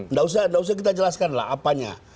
nggak usah kita jelaskan lah apanya